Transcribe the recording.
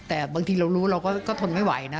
แต่บางทีเรารู้เราก็ทนไม่ไหวนะ